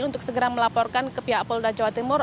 untuk segera melaporkan ke pihak polda jawa timur